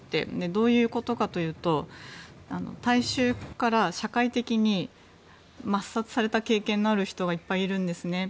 どういうことかというと大衆から社会的に抹殺された経験のある人がいっぱいいるんですね。